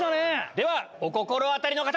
ではお心当たりの方！